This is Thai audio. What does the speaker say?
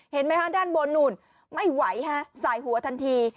เห็นไหมฮะด้านบนนู่นไม่ไหวฮะสายหัวทันที